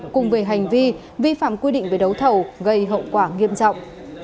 cùng về hành vi vi phạm quy định về đấu thầu gây hậu quả nghiêm trọng